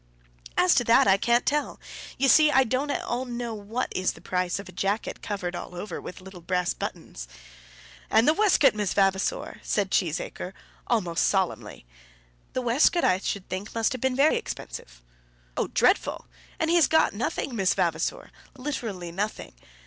"As to that I can't tell. You see I don't at all know what is the price of a jacket covered all over with little brass buttons." "And the waistcoat, Miss Vavasor!" said Cheesacre, almost solemnly. "The waistcoat I should think must have been expensive." "Oh, dreadful! and he's got nothing, Miss Vavasor; literally nothing.